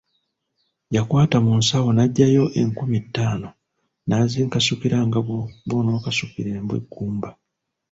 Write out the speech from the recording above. Yakwata mu nsawo n'aggyayo enkumi ttaano n'azinkasukira nga bw'onaakasukira embwa eggumba.